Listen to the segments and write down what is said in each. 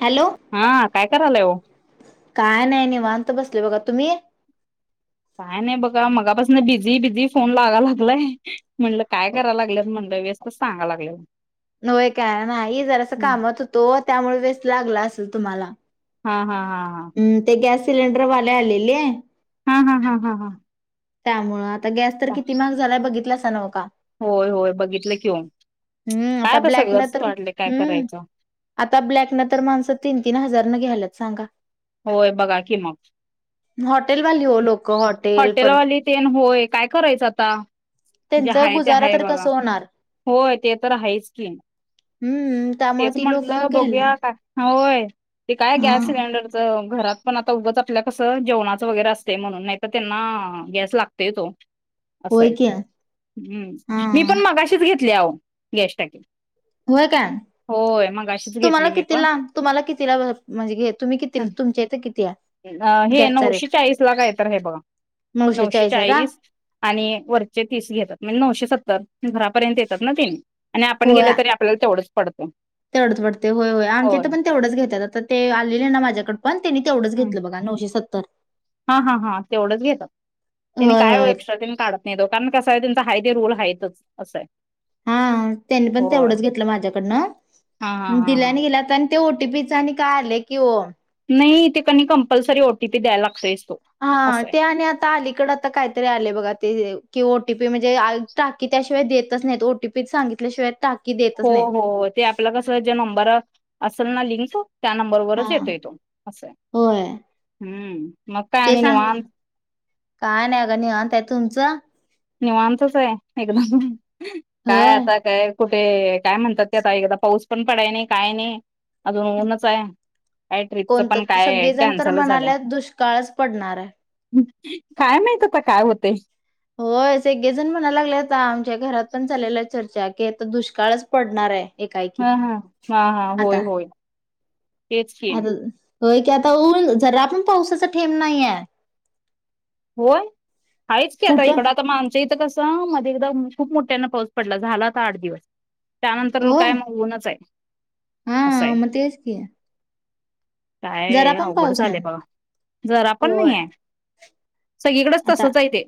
Hello हा काय करायला हो. काय नाही निवांत बसले बघा, तुम्ही. काय नाही बघा! मगापासून बिझी बिझी फोन लागा लागलाय. म्हणलं काय कराय लागलंत म्हटलं व्यस्त कसं सांगा लागलं होय काय नाई जरास कामत होतो त्यामुळे वेस् लागला असेल तुम्हाला. हा हा हा हा. हम्म ते गॅस सिलेंडर वले आलेलेे. हा हा हा हा हा त्या मुळात आता गॅस तर हा किती महाग झालाय बघितलास आता नका का! होय होय बघितलं ओ! हम्म! आता ब्लॅक न तर हम्म! करायचं आता ब्लॅक न तर माणसं तीन तीन हजार न घ्यालात सांगा. होय बघा कि मग, होट हॉटेलवाली तेन होय, काय करायचं आता जे त्यांचा हाय ते गुजारा हाय तर बघा! कसं होणार होय ते, तर आहेच की हम्म त्यामुळे तेच ती लोक म्हटलं घ्यायल्या बघूया का हा होय, ते काय हा गॅस सिलेंडरचं, घरात पण आता उगाच आपल्या कसं जेवणाचं वगैरे असत. ते म्हणून नाही तर त्यांना गॅस लागतय ओ! होय असंय की हम्म हा मी पण मगाशीच घेत. तल्याह गॅस्टाक [unintelligible] होय काय मगाशीच तुम्हाला घेतली मी पण. कितीला तुम्हाला कितीला म्हणजे तुम्ही किती तुमच्या इथ किती आहे ज हे गॅसचा नऊशे रेट चाळीस ला काय तर हे बघा नऊशे चाळीस आणि वरचे तीस घेतात म्हणजे नऊशे सतर. ह. घरापर्यंत येतात ना, ते आणि आपण गेलं तरी आपल्याला तेवढंच पडत. तेढत पडते होय होय आमच्या इथ पण तेवढंच घेतात आता ते आले ना माझ्याकड. पण तीनी तेवढंच घेतलं बघा नऊशे सत् तर. हा हा हा तेवढंच यत. त्यांनी होय काय हो होय एक्स्ट्रा त्यांनी काढत नाही तो कारण कस. काय तुमचा हाय ते रोल आहेतच असं हे. हा हा तेनी पण तेवढंच घेतलं माझ्याकडन हा हा हा दिल्या हा. णि गेल्या आतेन ते ओट ते पिझ्झा नि आणि काले कि हो. नाही ते कनी कंपल्सरी ओ टी पी द्यायला लागतोयस. हा ते आणि आता अलीकड त काहीतरी आले बघा ते अ कि ओ टी पी म्हणजे आलता त्याशिवाय देतच नाहीत ओ टी पी सांगितल्याशिवाय टाक. हो हो ते आपलं कस ज्या नंबर असल ना लिंस [unintelligible] हा होय हम्म मग काय ते आणि सांग निवांत काय नाही का निवांता तुमचं? निवांतच आहे एकदम. काय होय. आता काय? कुठे काय म्हणतात ते आता एकादा पाऊस पण पडाय नाही काय नाही अजून ऊनच आहे. काय ट्रिपच पण कोणतं काय सगळी जण तर कॅन्सल झालं म्हणाल्या दुष्काळच पडणार आहे. काय माहित आता काय होते. होय सगळेजण म्हणायला लागले आता आमच्या घरात पण चालेल्या आहे चर्चा की आता दुष्काळच पडणार आहे. एकाएकी हा हा हा हा होय होय. तेच की [unintelligible] आ हो की आता ऊन जरा आपण पाऊसच ठेम नाही आहे. होय आहेाच की आता कुठं? इकडं आता आमच्या इथं कसं मज एकदा [unintelligible] खूप मोठ्यांना पाऊस पडला झाला आता आठ दिवस. त्यानंतर होय काय म उनच आहे. हा असं आहे म तेच कि काय अवघड झालंय बघ जरा पण होय नाही आहे सगळीकडेच आता तसच आहे ते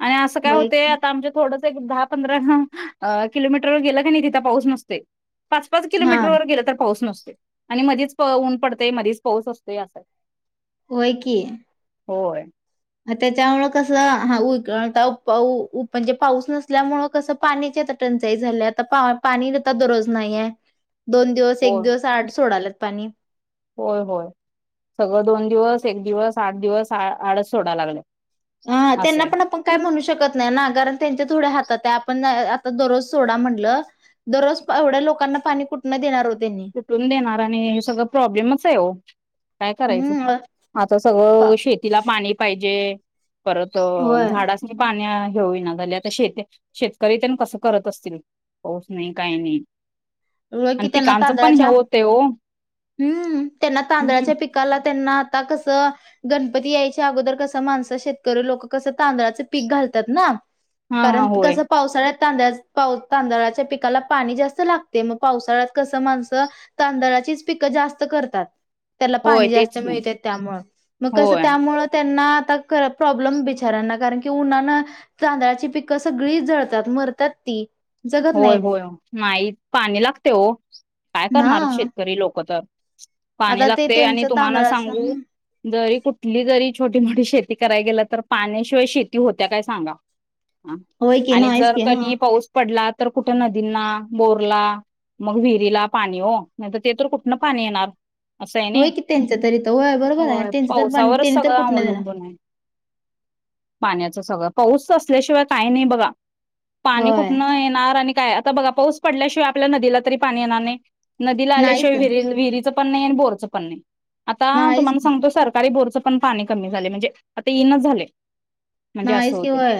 आणि असं काय होय होते की आता आमच्या थोडं दहा पंधरा किलोमीटर व गेलं का नाही तिथं पाऊस नसतय पाच पाच हा किलोमीटर गेल तर पाऊस नसो आणि मधीचऊन पडतय मधीच पाऊस असतोय असाय होय की होय त्याच्यामुळ कसं हाता म्हणजे पाऊस नसल्यामुळे कसं पाण्याची आता टंचाई झाली आता पा पाणीता दररोज नाही आहे दोन दिवस हो एक दिवस आठ सोडल्यात पणी होय होय सगळं दोन दिवस एक दिवस आठ दिवस आडच सोडाय लागलेत हा त्यांना पण आपण काय म्हणू शकत नाही ना कारण त्यांच्या थोड्या हात आपण आता दररोज सोडा म्हटलं दररोज एवढ्या लोकांना पाणी कुठणं देणार हो तुटून देणार आणि हे सगळं प्रॉब्लेमच आहे हो काय करायचं हम्म आता सगळं शेतीला पाणी पाहिजे परत होय. झाडासणी पाणी घेऊना झा आता श शेतकरी त्यां कसं करत असतील पाऊस नाही काही नाही रोय आणि कि त्यांना पिकांचं पण हे त होते हो हम्म त्यांना हम्म तांदळाच्या पिकाला त्यांना आता कसं गणपती यायच्या अगोदर कसं माणसं शेतकरी लोक कसं तांदळाचं पीक घालतात ना हा हा कारण होय कस पावसाळ्यात तांदळा पा तांदळाच्या पिकाला पाणी जास्त लागत ते मग पावसाळ्यात कसं माणसं तांदळाचीच पिकं जास्त करतात त्याला होय पाणी तेच जास्त की मिळते त्यामुळ मग कसं होय त्यामुळ त्यांना आता प्रॉब्लेम बिचाऱ्यांना कारण की उन्हानं तांदळाची पिकं सगळी जळतात मरतात ती जगत होय नाहीत होय नाही पाणी लागते हो काय ना करणार शेतकरी लोक कता [inaudible] पाणी आता ते लागते आणि त्यांचं तुम्हाला तांदळाचं सांगू जरी कुठली जरी छोटी मोठी शेती कराय गेलं तर पाण्याशिवाय शेती होत्या काय सांगा हा. होय कि आणि नाही च जर कि कणी पाऊस पडला तर कुठं नदींना बोरला मग विहिरीला पाणी हो नाही ते तर कुठन पाणी येणार त आहे कि त्यांच तरी त बरोबर ना आहे त्यांचं तर प पावसावरच त्यांनी तर सगळं कुठन देण अवलंबून आहे पाण्याचं सगळं पाऊस असल्याशिवाय काही नाही बघा. पाणी. होय कुटणं येणार आणि काय. आता बघा पाऊस पडल्याशिवाय आपल्या नदीला तरी पाणी येणार नाही. नदीला नाहीच आल्याशिवाय की विरी विहिरीच पणणे आणि बोरचं पण नाही. आता नाहीच तुम्हाला की सांगतो सरकारी भोर च पण पाणी कमी झालय म्हणजे, आता ईनच झालंय. नाईच कि होय.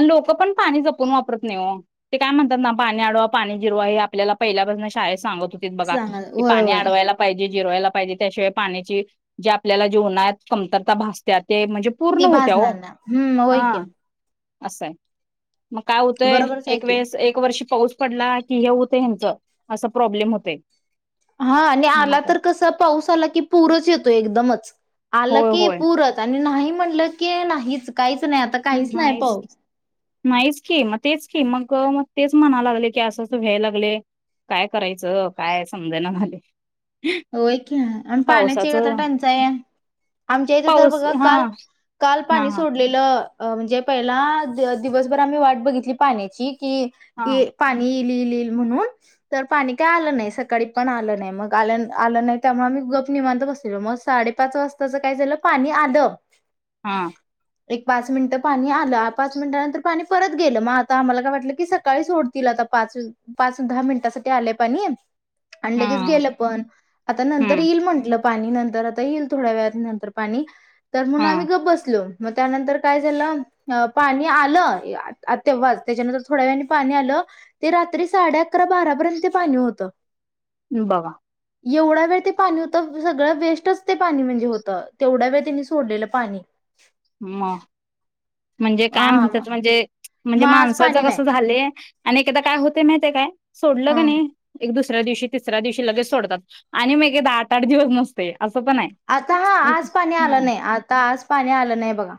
लोक पण पाणी जपून वापरत नाही हो. ते काय म्हणतात ना पाणी अडवा पाणी जिरवा हे आपल्याला पहिल्यापासून शाळेत सांगत होतीत, बघा सांगा होय पाणी होय अडवायला पाहिजे जिरवायला पाहिजे त्याशिवाय पाण्याची जे आपल्याला जेवणात कमतरता भासत्या ते म्हणजे पूर्ण ती होत्या हो, भाजणार ना हम्म होय की हा. असं आहे. मग काय [unintelligible] बरोबरच आहे एक की वेळेस वर्ष पाऊस पडला की हे होत ह्यांचं असा प्रॉब्लेम होतय. हा आणि मग आला काय तर कसा पाऊस आला की पूरच येतो एकदमच. आलं होय की होय पुरच आणि नाही. म्हटल की नाहीचं काही नाहीच, नाहीच की मग तेच की मग. अग मग तेच म्हणा लागले की असं अस व्हाय लागलय काय करायचं काय समजना झालय. होय की आणि पाण्याची एक आता पावसाचं टंचाई आहे आमच्या इथे तर पाऊस बघा हा काल काल हा पाणी हा सोडलेलं. अ म्हणजे पहिला दिवसभर आम्ही वाट बघितली पाण्याची की हा की पाणी इल ईल. म्हणून तर पाणी काय आलं नाही सकाळी पण आलं नाही मग आल्यानंत आलं नाही त्यामुळे आम्ही गप निवांत बसलेलो मग साडेपाच वाजताच काय झालं पाणी आलं. हा. एक पाच मिनिट पाणी आलं पाच मिनिटानंतर पाणी परत गेलं मग आता आम्हाला काय वाटलं कि सकाळी सोडतील आता पाच पाच दहा मिनिटासाठी आलंय पाणी. आणि लगेच हा गेलं पण. आता नंतर हम्म येईल म्हंटलं. पाणी नंतर आता येईल थोड्या वेळात नंतर पाणी. तर म्हणून हा आम्ही गप बसलो. मग त्यानंतर काय झालं पाणी आलं तेव्हाच त्याच्यानंतर थोड्या वेळाने पाणी आलं ते रात्री साडे अकरा बारापर्यंत पाणी होत. बाघा एवढा वेळ ते पाणी होतं सगळं वेस्टच ते पाणी म्हणजे होतं तेवढ्या वेळ त्यांनी सोडलेलं पाणी म म्हणजे हा काय म्हणतात म्हणजे मग म्हणजे आज पाणी माणसाचं नाही कसं झालंय आणि एकदा काय होते माहितीय काय? सोडलं का ह नाही एक दुसर तिसऱ्या दिवशी तिसऱ्या दिवशी लगेच सोडतात आणि मगे दहा आठ आठ दिवस नसतंय, आता हा आज पाणी आलं नाही आता आज पाणी आलं नाही बघा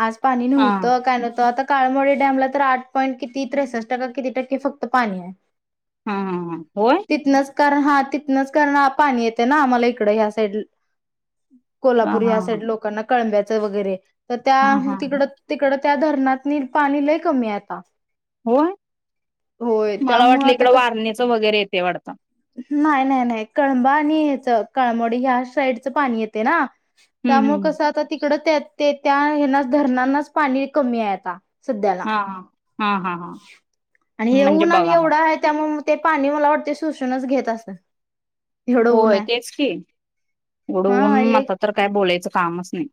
आज पाणी हा नव्हतं काय नव्हतं आता, काळमोडी डॅमला तर आठ पॉईंट किती त्रेसष्ट की किती टक्के फक्त पाणी आहे. हा हा होय. तिथनंच कारण हा तिथनंच कारण पाणी येते ना आम्हाला इकड ह्या साईड हा कोल्हापूर हा ह्या साईड लोकांना कळंब्याचं वगैरे, तर हा हा त्या हा तिकड तिकड त्या धरणात पाणी लय कमी आता होय होय मला त्यामुळे वाटलं आता इकड क वारणीच वगैरे येते वाटत. नाही नाही नाही कळंबा आणि याच कळमोडी ह्या साईडच पाणी येते ना हम्म त्यामुळे हम्म कसं आता ते तड ते त्या ह्याला धरण्यांच पाणी कमी आहे आता, सध्याला हा हा हा हा हा आणि हे म्हणजे ऊन आणि बघा एवढं मग आहे त्यामुळे ते पाणी मला वाटते शोषूनच घेत असत. एवढं ऊन होय आहे तेच की हा उडून एक आता तर काय बोलायचं काम आम्हास ही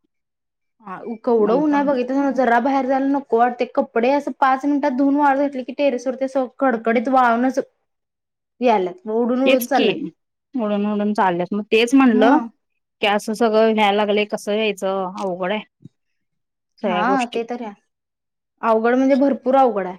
हा केवढं उन्ह आहे बघितला ना जरा बाहेर जायला नको वाटतंय. कपडे असं पाच मिनिटात धुऊन वाळत घातली की टेरेसवरती चौक कडकडीत वाळूनचलात तेच की उडून उडून चालल्यात मग तेच म्हणलं मग की असं सगळं ह्याय लागलेय कसं होयचं ज अवघड हाय. हा ते तर या अवघड म्हणजे भरपूर अवघड हाय,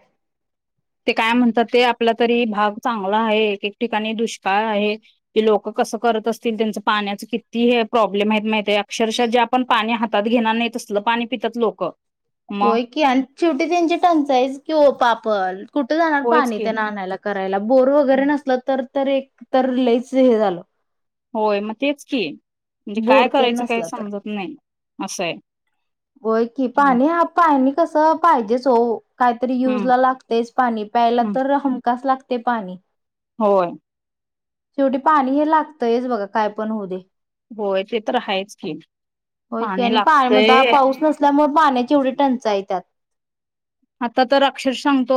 ते काय म्हणतात ते आपला तरी भाग चांगला आहे एक एक ठिकाणी दुष्काळ आहे की लोक कसं करत असतील त्यांचं पाण्याच किती हे प्रॉब्लेम आहेत माहििते हाय का अक्षरशः जे आपण पाणी हातात घेणार नाही तसलं पाणी पितात लोक मग होय की आणि शेवटी त्यांची टंचाईस की पापल कुठे जाणार होयच पाणी की त्यानं आणायला करायला बोर वगैरे नसल तर तर एक तर लईच हे झालंय होय मग तेच की म्हणजे काय बोर तेन करायचं काय नसलं तर समजत नाय असं हाय होय की पाणी ह पाणी पाणी कसं पाहिजेच हो काहीतरी यूजला लागतंयच पाणी प्यायला हम्म तर हमखास लागतंय ते पाणी होय शेवटी पाणी हे लागतयच बघा काय पण होऊ दे होय ते तर हायच की पाणी लागतय ल्यामुळे पाण्याची एवढी टंचाई त्यात आता तर अक्षर सांगतो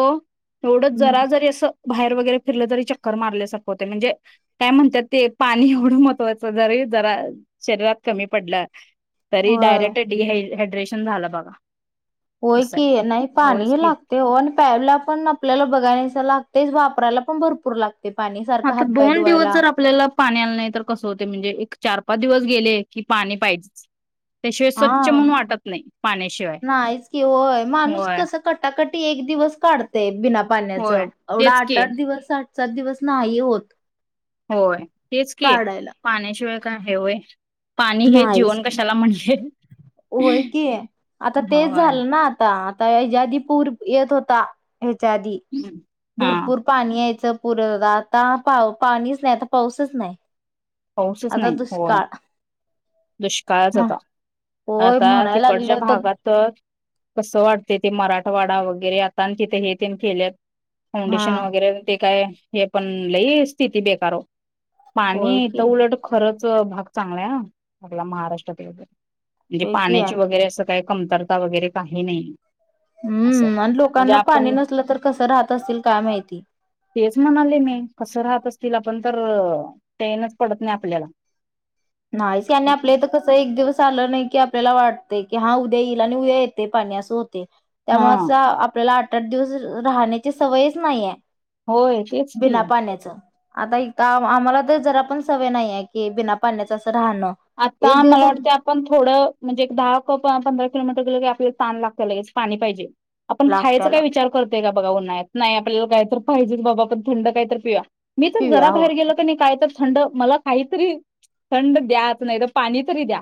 एवढंच हम्म जरा जरी असं बाहेर वगैरे फिरलं तरी चक्कर मारल्यासारखं होतेय म्हणजे काय म्हणतात ते पाणी एवढं महत्वाचं जरी जरा शरीरात कमी पडलं तरी होय डायरेक्ट डी हायड्रेट रेशन झाला बघा होय असं आहे की नाही होयच पाणीही की लागते हो आणि प्यायला पण आपल्याला बघाय लागताय वापरायला पण भरपूर लागत आता दोन दिवस जर आपल्याला पाणी आलं नाही तर कसं होते म्हणजे एक चार दिवस गेले की पाणी पाहिजे हा पाण्याशिवाय नाहीच कि होय माणूस होय कस कटाकट एक दिवस काढतेय बिना पाण्याच होय एवढा तेच आठ की आठ दिवस सात दिवस ना होत होय तेच की काढायला. पाण्याशिवाय का हेवय पाणी हे नाहीच जीवन की. कशाला म्हणले होय की आता तेच होय झालं ना आता च्या आधी पूर येत होता ह्याच्या आधी हा भरपूर पाणी यायचं पुर आता पा पाणीच नाही आता पाऊसच नाही पाऊसच आता नाही हो दुष्काळ दुष् काळच होय आता म्हणायला तिकडच्या लागलं तर भागात कस वाटते ते मराठवाडा वगैरे आता आणि तिथे हे त केलेत हा फाउंडेशन वगैरे काय हे पण लई स्थिती बेकारो पाणी होय की. उलट खरं भाग चांगला आहे आपला महाराष्ट्रात म्हणजे होय की पाण्याची वगैरे असं काय कमतरता वगैरे काही नाही असं हम्म आणि म्हणजे लोकांना पाणी आपण नसलं तर कस राहत असतील काय माहिती तेच म्हणाले मी कस राहत असतील आपण तर पढ नाही आपिलेला नाहीस आपल्या तर कसं एक दिवस आलं नाही की आपल्याला वाट ते क हा उद्या येईल आणि उद्या येते पाण्यास होत हा त्यामुळेच आपल्या आठ आठ दिवस राहण्याची सवयच नाहीये होय बिना तेचतील पाण्याचं आता हित आम्हाला तर जरा पण सवय नाही ये का बिना पाण्यात अ आता मला वाटतंय आपण थोडं म्हणजे एक दहा प प पंधरा किलोमीटर गेलं की आपल् तान लागतीया लगेच पाणी पाहिजे. आपण लागत्या खायचं काय लाग विचार करतय का बघा उन नाय, नाय आपल्याला काय तरी पाहिजेच बाबा आपण थंड कायतरी पिऊया. मी तर जरा पिऊया हो बाहेर गेलो क नाय काय तर थंड, मला काहीतरी थंड द्याच. नाय तर पाणी तरी द्या.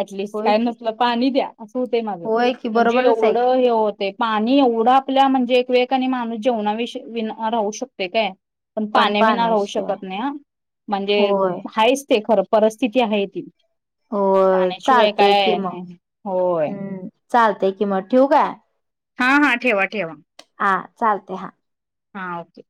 ऍटलिस्ट होय काय की नसलं पाणी द्या. अस होतय माझ होय की म्हणजे बरोबरच आहे एवढं की हे होतय. पाणी एवढं आपल्या म्हणजे एक वे आणि माणूस जेवणा विषयी विना राहू शकतोय काय पण पाण्या विना राहू शकत नाय ह म्हणजे होय हायच ते खरं परिस्थिती हायत. [inaudible] होय चालतंय किं मग नाही होय हम्म. चालते कि मग ठिवू काय? हा हा ठेवा ठेवा. हा चालतय हा. हा ओके.